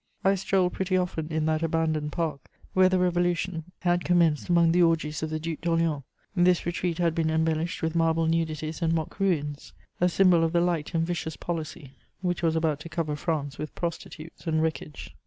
I strolled pretty often in that abandoned park, where the Revolution had commenced among the orgies of the Duc d'Orléans: this retreat had been embellished with marble nudities and mock ruins, a symbol of the light and vicious policy which was about to cover France with prostitutes and wreckage.